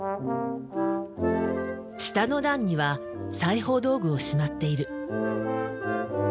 下の段には裁縫道具をしまっている。